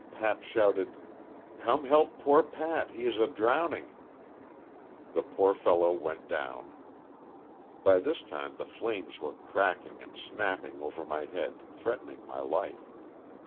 Pat shouted, ''Come help poor Pat, he is a drowning." The poor fellow went down. By this time the flames were cracking and snapping over my head, threatening ray life.